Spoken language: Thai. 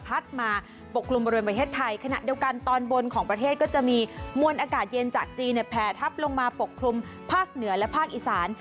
มาปกกลุ่มบริเวณประเทศไทยขณะเดียวกันตอนบนของประเทศก็จะมีมวลอากาศเย็นจากจีนเนี่ยแผ่ทับลงมาปกคลุมภาคเหนือและภาคอีสาน